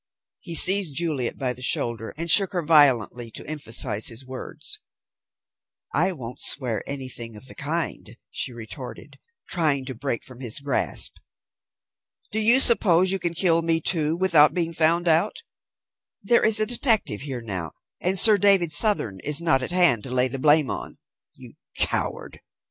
He seized Juliet by the shoulder and shook her violently to emphasize his words. "I won't swear anything of the kind," she retorted, trying to break from his grasp. "Do you suppose you can kill me, too, without being found out? There is a detective here now, and Sir David Southern is not at hand to lay the blame on. You coward!